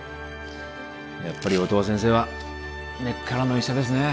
やっぱり音羽先生は根っからの医者ですね